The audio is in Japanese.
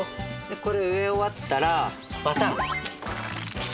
これ植え終わったらバタン。